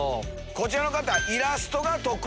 こちらの方。